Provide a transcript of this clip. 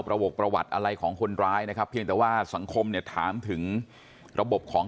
ระบบประวัติอะไรของคนร้ายนะครับเพียงแต่ว่าสังคมเนี่ยถามถึงระบบของ